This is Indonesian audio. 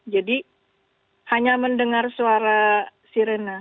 jadi hanya mendengar suara sirena